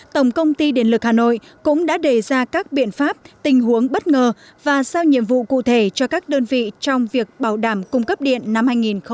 tổng công ty điện lực hà nội cũng đã đề ra các biện pháp tình huống bất ngờ và sao nhiệm vụ cụ thể cho các đơn vị trong việc bảo đảm cung cấp điện năm hai nghìn hai mươi